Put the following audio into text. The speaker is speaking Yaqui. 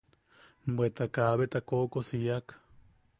Bweta kabeta koʼokosi yak.